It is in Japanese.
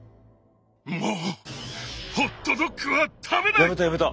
もうホットドッグは食べない！